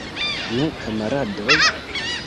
Nu, kamaradoj!